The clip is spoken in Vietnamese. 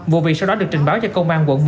vụ việc sau đó được trình báo cho công an quận bốn